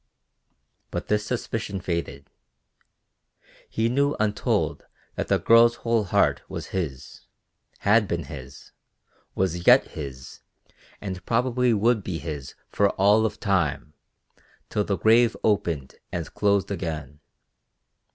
But this suspicion faded; he knew untold that the girl's whole heart was his, had been his, was yet his and probably would be his for all of time, till the grave opened and closed again.